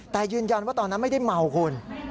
แต่ยืนยันว่าตอนนั้นไม่ได้เมาคุณ